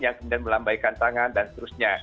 yang kemudian melambaikan tangan dan seterusnya